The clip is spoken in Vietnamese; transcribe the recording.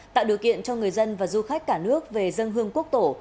tạo điều kiện cho người dân và du khách cả nước về dân hương quốc tổ